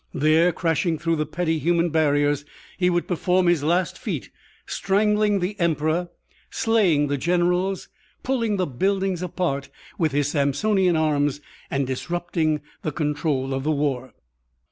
There, crashing through the petty human barriers, he would perform his last feat, strangling the Emperor, slaying the generals, pulling the buildings apart with his Samsonian arms, and disrupting the control of the war.